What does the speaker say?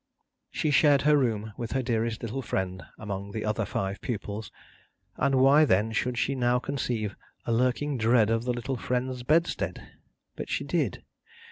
She shared her room with her dearest little friend among the other five pupils, and why then should she now conceive a lurking dread of the little friend's bedstead? But she did.